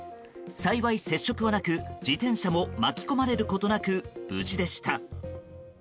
幸い、接触はなく自転車も巻き込まれることなく無事でした。